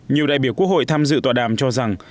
nhiều đại biểu quốc hội tham dự tòa đàm cho rằng